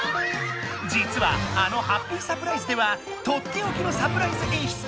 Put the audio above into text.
じつはあの「ハッピーサプライズ」ではとっておきのサプライズえん